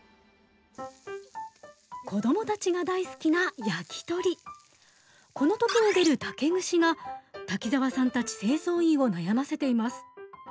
子供たちが大好きなこの時に出る竹串が滝沢さんたち清掃員を悩ませています。